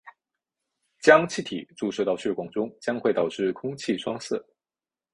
将气体注射到血管中将会导致空气栓塞。